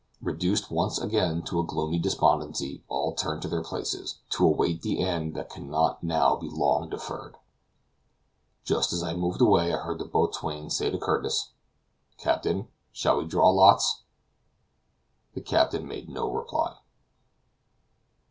Reduced once again to a gloomy despondency, all turned to their places, to await the end that can not now be long deferred. Just as I moved away I heard the boatswain say to Curtis: "Captain, when shall we draw lots?" The captain made no reply.